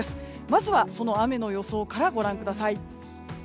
まずは、その雨の予想からご覧ください。